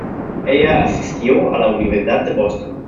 Ella asistió a la Universidad de Boston.